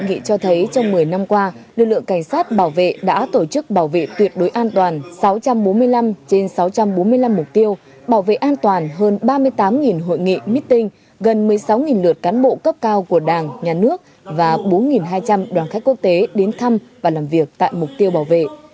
hội nghị cho thấy trong một mươi năm qua lực lượng cảnh sát bảo vệ đã tổ chức bảo vệ tuyệt đối an toàn sáu trăm bốn mươi năm trên sáu trăm bốn mươi năm mục tiêu bảo vệ an toàn hơn ba mươi tám hội nghị meeting gần một mươi sáu lượt cán bộ cấp cao của đảng nhà nước và bốn hai trăm linh đoàn khách quốc tế đến thăm và làm việc tại mục tiêu bảo vệ